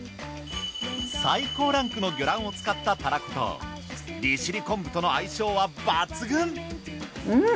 最高ランクの魚卵を使ったたらこと利尻昆布との相性は抜群。